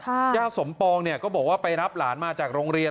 ย่าสมปองเนี่ยก็บอกว่าไปรับหลานมาจากโรงเรียน